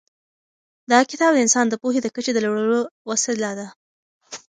دا کتاب د انسان د پوهې د کچې د لوړولو وسیله ده.